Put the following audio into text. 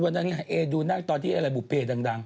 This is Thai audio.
วันนี้เอดูนั่งตอนที่เอละบุฟเฟย์ดัง